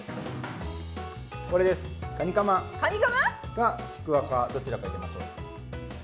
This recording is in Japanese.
これです、カニカマか、ちくわかどっちか入れましょう。